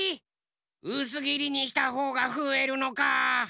うすぎりにしたほうがふえるのか。